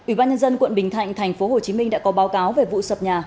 ủy ban nhân dân quận bình thạnh tp hcm đã có báo cáo về vụ sập nhà